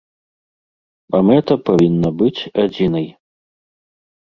А мэта павінна быць адзінай.